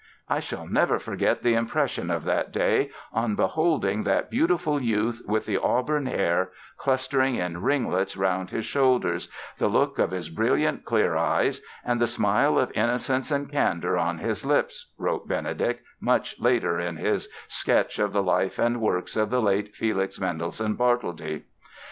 "I shall never forget the impression of that day on beholding that beautiful youth, with the auburn hair clustering in ringlets round his shoulders, the look of his brilliant, clear eyes and the smile of innocence and candour on his lips", wrote Benedict much later in his "Sketch of the Life and Works of the late Felix Mendelssohn Bartholdy".